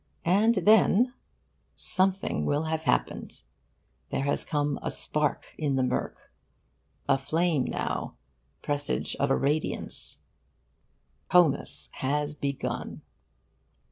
And then something will have happened. There has come a spark in the murk; a flame now, presage of a radiance: Comus has begun.